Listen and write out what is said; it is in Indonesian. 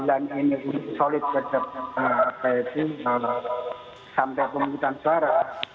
kalau sampai kemudian suara